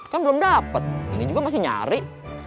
kan belum dapat ini juga masih nyari